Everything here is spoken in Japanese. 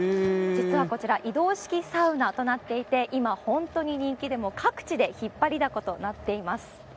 実はこちら、移動式サウナとなっていまして、今、本当に人気で、もう各地で引っ張りだことなっています。